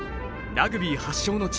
ラグビー発祥の地